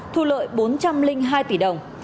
thu lợi bốn trăm linh hai tỷ đồng